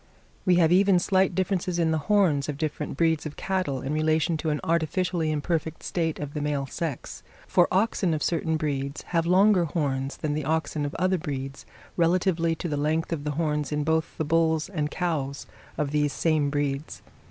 We have even slight differences in the horns of different breeds of cattle in relation to an artificially imperfect state of the male sex; for oxen of certain breeds have longer horns than the oxen of other breeds, relatively to the length of the horns in both the bulls and cows of these same breeds.